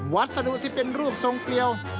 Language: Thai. วัสดุที่เป็นรูปทรงเกลียว